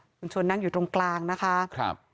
คุณชวนนั่งอยู่ตรงกลางนะคะครับ